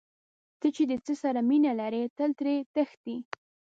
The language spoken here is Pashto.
ته چې د څه سره مینه لرې تل ترې تښتې.